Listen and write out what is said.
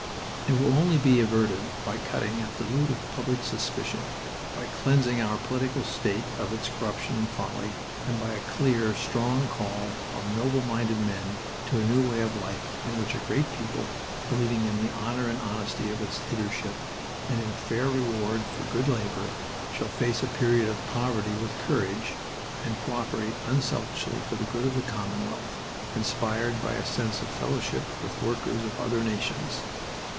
It will only be averted by cutting at the root of public suspicion, by cleansing our political state of its corruption and folly, and by a clear, strong call of noble minded men to a new way of life in which a great people believing in the honor and honesty of its leadership and in fair reward for good labor shall face a period of poverty with courage, and co operate unselfishly for the good of the commonwealth, inspired by a sense of fellowship with the workers of other nations.